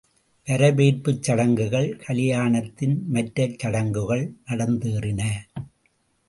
வரவேற்புச் சடங்குகள், கல்யாணத்தின் மற்றச் சடங்குகள் நடந்தேறின.